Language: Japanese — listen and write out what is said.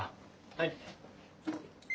はい。